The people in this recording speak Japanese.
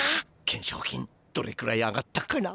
懸賞金どれくらい上がったかな？